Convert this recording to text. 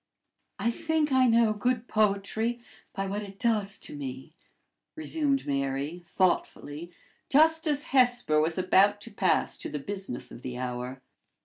"I think I know good poetry by what it does to me," resumed Mary, thoughtfully, just as Hesper was about to pass to the business of the hour.